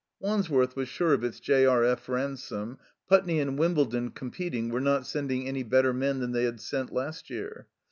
Wandsworth was sure of its J. R. F. Ransome. Putney and Wimbledon, competing, were not send ing any better men than they had sent last year.